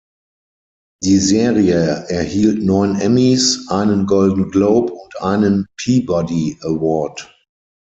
Die Serie erhielt neun Emmys, einen Golden Globe und einen Peabody Award.